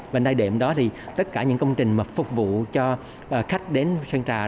vành đai đệm đó thì tất cả những công trình mà phục vụ cho khách đến sơn trà